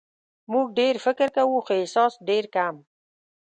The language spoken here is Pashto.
موږ ډېر فکر کوو خو احساس ډېر کم.